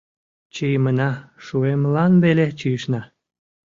Чийымына шуымылан веле чийышна.